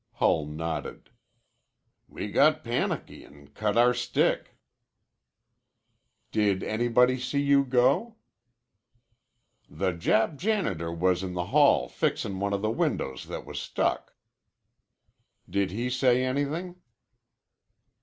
Hull nodded. "We got panicky an' cut our stick." "Did anybody see you go?" "The Jap janitor was in the hall fixin' one of the windows that was stuck." "Did he say anything?"